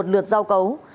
một lượt giao cấu